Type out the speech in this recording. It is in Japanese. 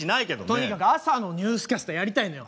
とにかく朝のニュースキャスターやりたいのよ。